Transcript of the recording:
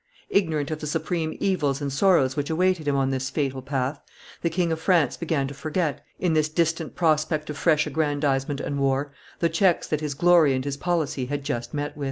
Ignorant of the supreme evils and sorrows which awaited him on this fatal path, the King of France began to forget, in this distant prospect of fresh aggrandizement and war, the checks that his glory and his policy had just met with.